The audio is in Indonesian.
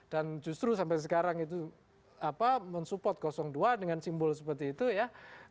dan justru sampai sekarang itu apa mensupport dua dengan simbol seperti itu ya